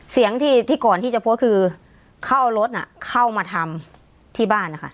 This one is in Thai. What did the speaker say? เสียงที่ก่อนที่จะโพสต์คือเขาเอารถเข้ามาทำที่บ้านนะคะ